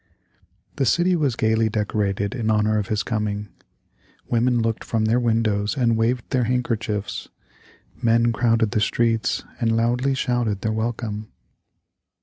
The city was gayly decorated in honor of his coming. Women looked from their windows and waved their handkerchiefs. Men crowded the streets and loudly shouted their welcome.